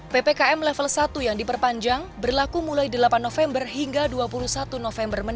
ppkm level satu yang diperpanjang berlaku mulai delapan november hingga dua puluh satu november